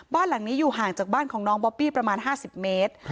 บ้านหลังนี้อยู่ห่างจากบ้านของน้องบอบบี้ประมาณ๕๐เมตร